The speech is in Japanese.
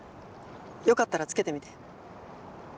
よかったらつけてみて！